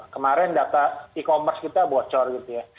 kemarin data e commerce kita bocor gitu ya